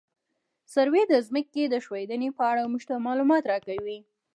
سروې د ځمکې د ښوېدنې په اړه موږ ته معلومات راکوي